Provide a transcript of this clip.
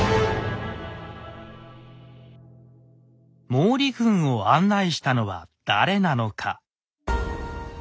毛利軍を案内したのは誰なのか。